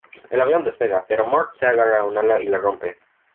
El avión despega, pero Mort se agarra a un ala y la rompe.